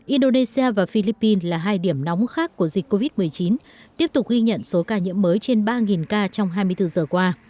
indonesia và philippines là hai điểm nóng khác của dịch covid một mươi chín tiếp tục ghi nhận số ca nhiễm mới trên ba ca trong hai mươi bốn giờ qua